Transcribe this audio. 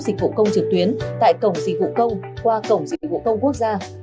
dịch vụ công trực tuyến tại cổng dịch vụ công qua cổng dịch vụ công quốc gia